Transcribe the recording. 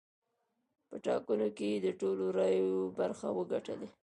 په ټاکنو کې یې د ټولو رایو برخه وګټلې.